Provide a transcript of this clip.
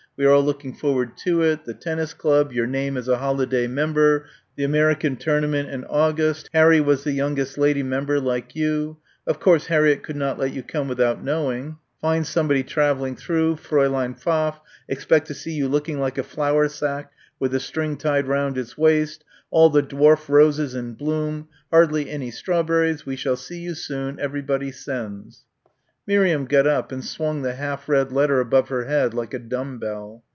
We are all looking forward to it the tennis club your name as a holiday member the American tournament in August Harry was the youngest lady member like you of course Harry could not let you come without knowing find somebody travelling through Fräulein Pfaff expect to see you looking like a flour sack with a string tied round its waist all the dwarf roses in bloom hardly any strawberries we shall see you soon everybody sends." Miriam got up and swung the half read letter above her head like a dumb bell.